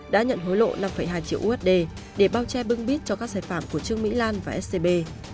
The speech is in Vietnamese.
đã nhận hối lộ năm hai triệu usd để bao che bưng bít cho các sai phạm của trương mỹ lan và scb